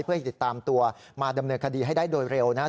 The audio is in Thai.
เพื่อให้ติดตามตัวมาดำเนินคดีให้ได้โดยเร็วนะครับ